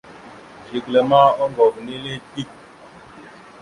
Zigəla ma oŋgov nele dik.